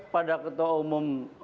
pada ketua umum